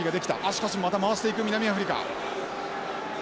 しかしまた回していく南アフリカ。